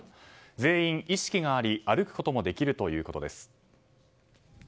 全員、意識があり歩くこともできるということです。